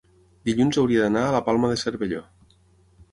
dilluns hauria d'anar a la Palma de Cervelló.